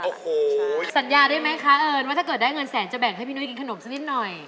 โอ้โหสัญญาได้ไหมคะเอิญว่าถ้าเกิดได้เงินแสนจะแบ่งให้พี่นุ้ยกินขนมสักนิดหน่อย